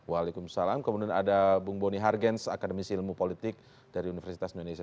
waalaikumsalam kemudian ada bung boni hargens akademisi ilmu politik dari universitas indonesia